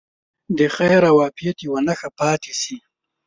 د خیر او عافیت یوه نښه پاتې شي.